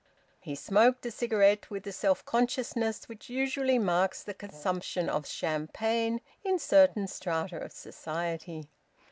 He smoked a cigarette with the self consciousness which usually marks the consumption of champagne in certain strata of society.